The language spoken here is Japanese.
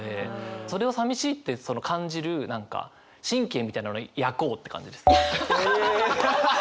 それをさみしいって感じる何か神経みたいなのを焼こうって感じです。